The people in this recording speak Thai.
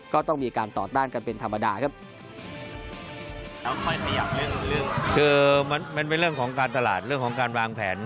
ก็ต้องมีการต่อต้านกันเป็นธรรมดาครับ